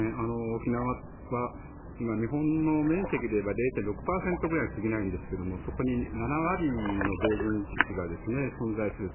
沖縄は今、日本の面積で言えば０．６％ぐらいに過ぎないんですがそこに７割の米軍基地が存在する。